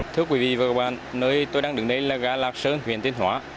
thưa quý vị và các bạn nơi tôi đang đứng đây là ga lạc sơn huyện tiên hóa